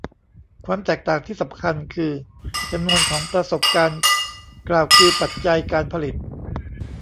ความแตกต่างที่สำคัญคือจำนวนของประสบการณ์กล่าวคือปัจจัยการผลิต